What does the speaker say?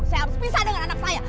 saya harus pisah dengan anak saya